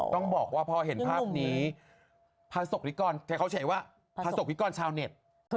๑๐๐๐๐๐๐ต้องบอกว่าพอเห็นภาพนี้พระศกริกรเขาเฉยว่าพระศกริกรชาวเน็ต